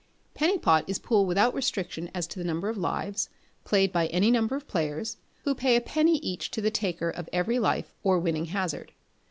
Penny Pot is pool without restriction as to the number of lives, played by any number of players, who pay a penny each to the taker of every life or winning hazard.